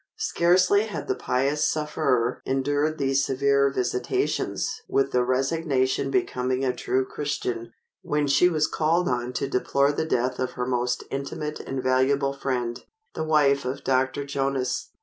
Scarcely had the pious sufferer endured these severe visitations with the resignation becoming a true Christian, when she was called on to deplore the death of her most intimate and valuable friend, the wife of Dr. Jonas.